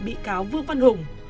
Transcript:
bị cáo vương văn hùng